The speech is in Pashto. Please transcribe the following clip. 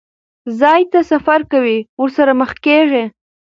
ځای ته سفر کوي، ورسره مخ کېږي.